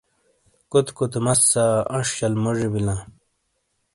کوتے کوتے مسّا انش شل موجی بِیلاں۔